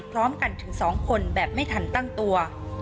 พร้อมกันถึง๒คนแบบไม่ทันตั้งตัว